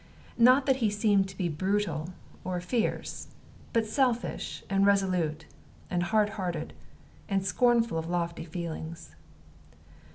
Not that he seemed to be brutal or fierce, but selfish, and resolute, and hard hearted, and scornful of lofty feelings.